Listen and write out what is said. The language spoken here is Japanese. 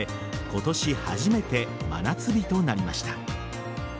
今年初めて真夏日となりました。